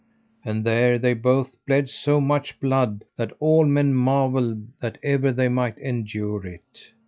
And there they both bled so much blood that all men marvelled that ever they might endure it.